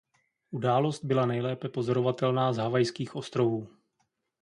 Událost byla nejlépe pozorovatelná z Havajských ostrovů.